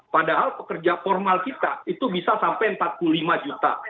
padahal pekerja formal kita itu bisa sampai empat puluh lima juta